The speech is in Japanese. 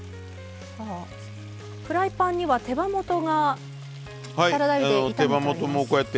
フライパンには手羽元がサラダ油で炒めてあります。